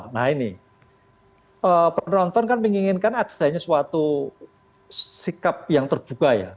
nah ini penonton kan menginginkan adanya suatu sikap yang terbuka ya